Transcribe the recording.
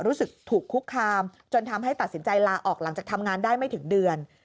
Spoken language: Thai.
รู้สึกถูกคุกคามจนทำให้ตัดสินใจลาออกหลังจากทำงานได้ไม่ถึงเดือน